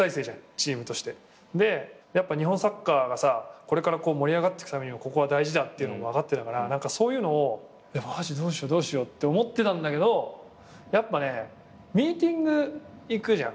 これから盛り上がってくためにもここは大事だっていうのも分かってたからそういうのをマジどうしようどうしようって思ってたんだけどやっぱねミーティング行くじゃん。